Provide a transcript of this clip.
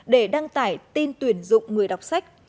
để đăng tải tin tuyển dụng người đọc sách